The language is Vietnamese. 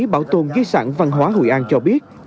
bảo tồn di sản văn hóa hội an cho biết